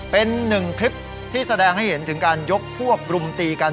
เป็นหนึ่งคลิปที่แสดงให้เห็นถึงการยกพวกรุมตีกัน